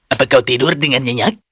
apakah kau tidur dengan nyenyak